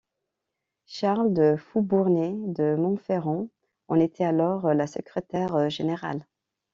Charles de Faubournet de Montferrand en était alors le secrétaire général.